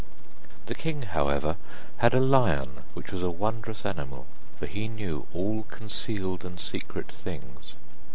The king, however, had a lion which was a wondrous animal, for he knew all concealed and secret things.